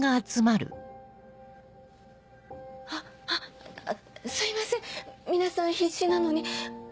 はっすいません皆さん必死なのに。